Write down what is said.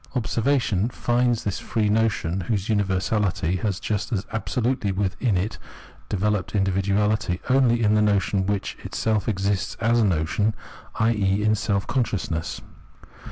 Observation finds this free notion, whose universahty has just as absolutely within it developed individuahty, only in the notion which itself exists as notion, i.e. in self consciousness.